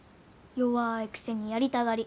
弱いくせにやりたがり。